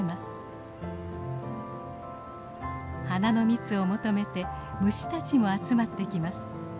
花の蜜を求めて虫たちも集まってきます。